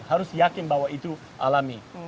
harus yakin bahwa itu alami